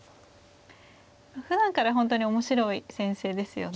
ふだんから本当に面白い先生ですよね。